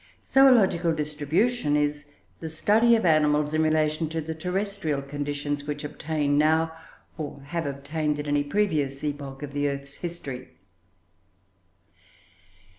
Zoological distribution is the study of animals in relation to the terrestrial conditions which obtain now, or have obtained at any previous epoch of the earth's history.